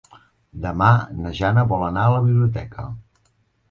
Demà na Jana vol anar a la biblioteca.